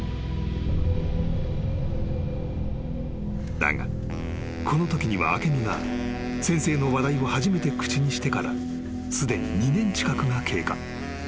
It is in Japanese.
［だがこのときには明美が先生の話題を初めて口にしてからすでに２年近くが経過］